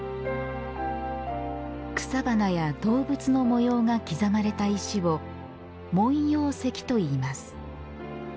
草花や動物の模様が刻まれた石を紋様石と言います。